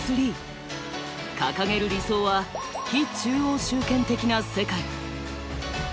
掲げる理想は「非中央集権的」な世界。